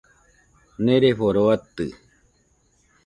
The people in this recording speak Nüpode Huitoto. Neereforo atɨ